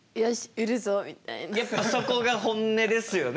やっぱそこが本音ですよね。